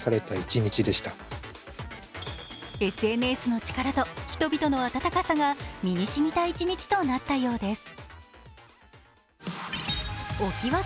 ＳＮＳの力と人々の温かさが身にしみた一日となったようです。